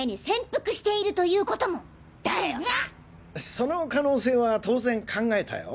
その可能性は当然考えたよ。